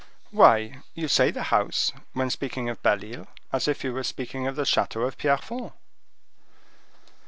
"Why, you say the house, when speaking of Belle Isle, as if you were speaking of the chateau of Pierrefonds."